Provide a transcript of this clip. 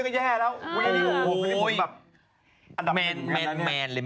แค่เวียไม่ดูดีก็แย่แล้ว